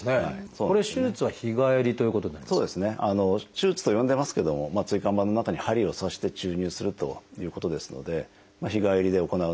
手術と呼んでますけども椎間板の中に針を刺して注入するということですので日帰りで行うのが一般的ですね。